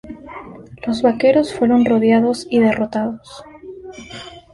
Los vaqueros fueron rodeados y derrotados.